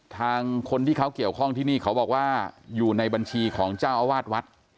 คนที่เขาเกี่ยวข้องที่นี่เขาบอกว่าอยู่ในบัญชีของเจ้าอาวาสวัด